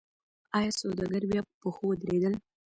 آیا سوداګر بیا په پښو ودرېدل؟